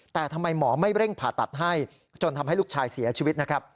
แต่ทำไมหมอไม่เร่งผ่าตัดให้จนทำให้ลูกชายเสียชีวิตนะครับ